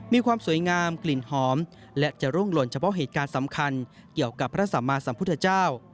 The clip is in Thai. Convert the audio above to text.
มีความสวยงามกลิ่นหอมและจะรุ่งหล่นเฉพาะเหตุการณ์สำคัญเกี่ยวกับพระสัมมาสัมพุทธเจ้า